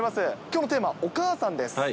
きょうのテーマは、お母さんです。